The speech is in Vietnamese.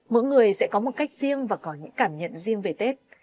mỗi người sẽ có một cách riêng và có những cảm nhận riêng về tết